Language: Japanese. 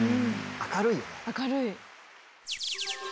明るい。